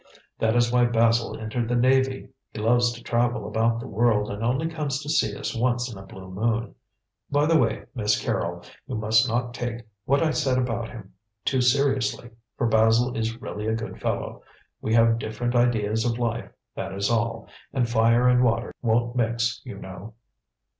That is why Basil entered the Navy: he loves to travel about the world, and only comes to see us once in a blue moon. By the way, Miss Carrol, you must not take what I said about him too seriously, for Basil is really a good fellow. We have different ideas of life, that is all; and fire and water won't mix you know."